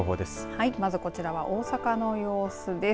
はい、まずはこちらは大阪の様子です。